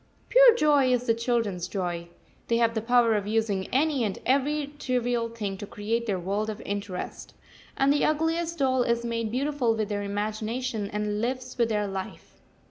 Pure joy is the children's joy. They have the power of using any and every trivial thing to create their world of interest, and the ugliest doll is made beautiful with their imagination and lives with their life.